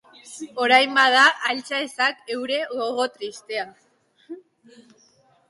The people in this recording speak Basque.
Orain, bada, altxa ezak heure gogo tristea.